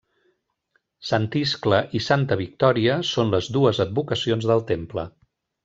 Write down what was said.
Sant Iscle i Santa Victòria són les dues advocacions del temple.